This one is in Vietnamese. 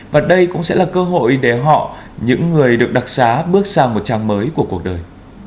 và đây cũng sẽ là cơ hội để họ những người được đặc xá bước sang một trang mới của cuộc đời